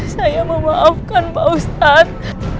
saya memaafkan pak ustadz